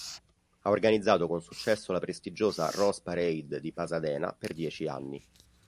Ha organizzato con successo la prestigiosa Rose Parade di Pasadena per dieci anni.